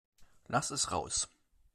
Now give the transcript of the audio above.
Lass es raus!